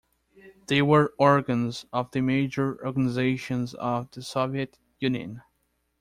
They were organs of the major organizations of the Soviet Union.